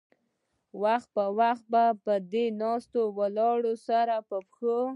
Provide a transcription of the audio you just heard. وخت پۀ وخت به د ناستې ولاړې سره پۀ پښو